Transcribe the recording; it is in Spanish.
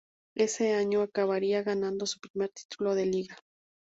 Ese año acabaría ganando su primer título de liga.